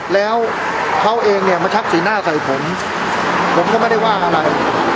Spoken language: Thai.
แล้วเขาเองเนี่ยมาชักสีหน้าใส่ผมผมก็ไม่ได้ว่าอะไร